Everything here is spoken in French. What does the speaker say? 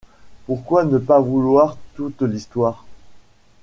Pourquoi ne pas vouloir toute l’histoire ?